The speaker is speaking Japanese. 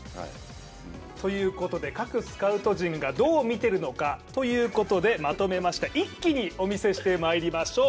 各スカウト陣がどう見ているのかということでまとめました、一気にお見せてまいりましょう。